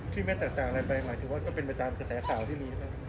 ที่ไม่แตกต่างอะไรไปหมายถึงว่าก็เป็นประจำกระแสข่าวที่มีนะครับ